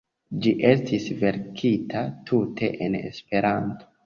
Ĝi estis verkita tute en Esperanto.